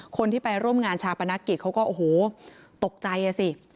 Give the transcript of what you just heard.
คนที่ไปร่วมงานชาปนกิจเขาก็โอ้โหตกใจอ่ะสิ